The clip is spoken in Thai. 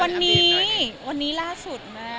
วันนี้วันนี้ล่าสุดมา